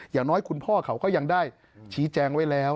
อย่างน้อยคุณพ่อเขาก็ยังได้ชี้แจงไว้แล้ว